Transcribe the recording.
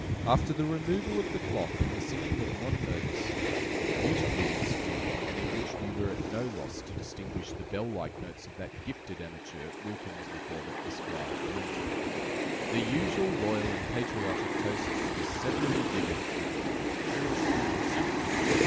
After the removal of the cloth, and the singing of Non Nobis (beautifully executed, and in which we were at no loss to distinguish the bell like notes of that gifted amateur, WILKINS MICAWBER, ESQUIRE, JUNIOR), the usual loyal and patriotic toasts were severally given and rapturously received.